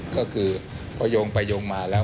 ก็คือพอโยงไปโยงมาแล้ว